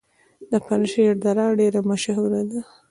د پنجشیر دره ډیره مشهوره ده